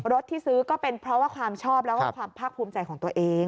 ที่ซื้อก็เป็นเพราะว่าความชอบแล้วก็ความภาคภูมิใจของตัวเอง